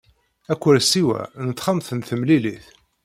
Akersi-a n texxamt n temlilit.